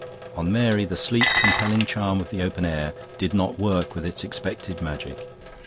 On Mary the sleep compelling charm of the open air did not work with its expected magic.